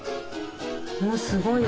もうすごい。